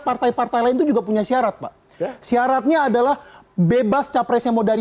partai partai lain itu juga punya syarat pak syaratnya adalah bebas capresnya mau dari